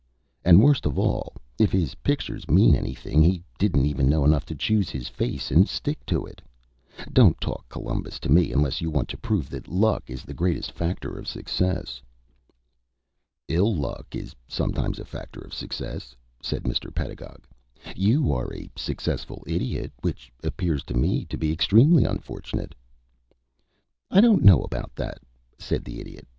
And worst of all, if his pictures mean anything, he didn't even know enough to choose his face and stick to it. Don't talk Columbus to me unless you want to prove that luck is the greatest factor of success." [Illustration: "DIDN'T KNOW ENOUGH TO CHOOSE HIS OWN FACE"] "Ill luck is sometimes a factor of success," said Mr. Pedagog. "You are a success as an Idiot, which appears to me to be extremely unfortunate." "I don't know about that," said the Idiot.